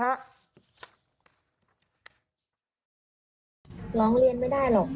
ร้องเรียนไม่ได้หรอก